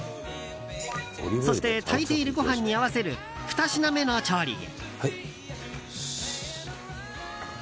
そして炊いているご飯に合わせるふた品目の調理へ。